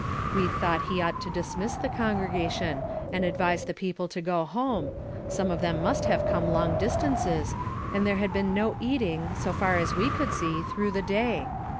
We thought he ought to dismiss the congregation and advise the people to go home ; some of them must have come long distances, and there had been no eating, so far as we could see, througli the day.